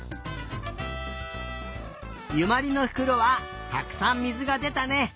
ゆまりのふくろはたくさんみずがでたね。